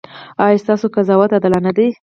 ایا ستاسو قضاوت عادلانه دی؟